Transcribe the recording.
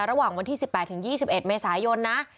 ระหว่างวันที่๑๘ถึง๒๑เมษายนนะ